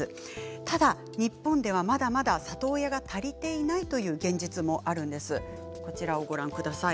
ただ日本ではまだまだ里親が足りていないという現実もあるんです。